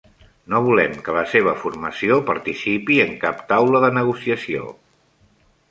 No volem que la seva formació participi en cap taula de negociació.